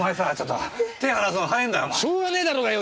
しょうがねえだろうがよ